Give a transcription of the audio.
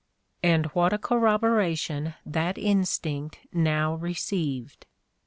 And what a corroboration that instinct now received!